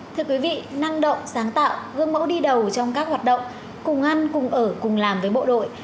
thưa quý vị năng động sáng tạo gương mẫu đi đầu trong các hoạt động cùng ăn cùng ở cùng làm với bộ đội